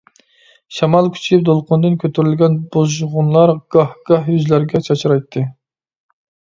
شامال كۈچىيىپ، دولقۇندىن كۆتۈرۈلگەن بۇژغۇنلار گاھ-گاھ يۈزلەرگە چاچرايتتى.